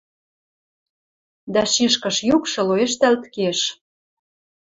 дӓ шишкыш юкшы лоэштӓлт кеш.